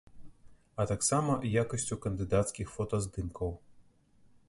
А таксама якасцю кандыдацкіх фотаздымкаў.